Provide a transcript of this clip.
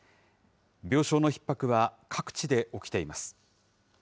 病床のひっ迫は各地で起きています。